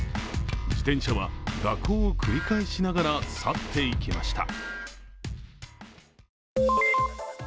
自転車は蛇行を繰り返しながら去っていきました。